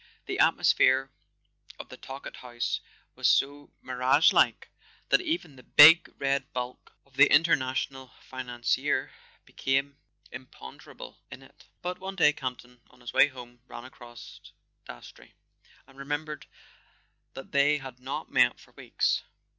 The atmosphere of the Tal¬ kett house was so mirage like that even the big red bulk of the international financier became imponder¬ able in it. But one day Campton, on his way home, ran across Dastrey, and remembered that they had not met for weeks.